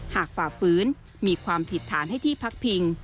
ฝ่าฝืนมีความผิดฐานให้ที่พักพิง